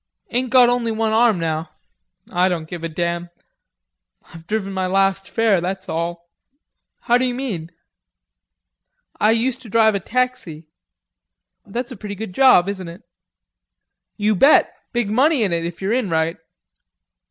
"Ain't got only one arm now.... I don't give a damn.... I've driven my last fare, that's all." "How d'you mean?" "I used to drive a taxi." "That's a pretty good job, isn't it?" "You bet, big money in it, if yer in right."